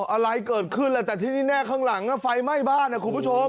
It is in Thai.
อะไรเกิดขึ้นแหละแต่ที่แน่ข้างหลังไฟไหม้บ้านนะคุณผู้ชม